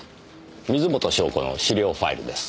水元湘子の資料ファイルです。